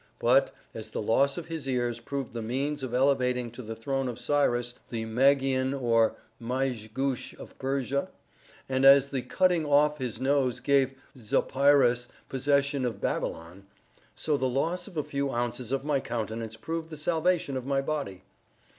But, as the loss of his ears proved the means of elevating to the throne of Cyrus, the Magian or Mige Gush of Persia, and as the cutting off his nose gave Zopyrus possession of Babylon, so the loss of a few ounces of my countenance proved the salvation of my body.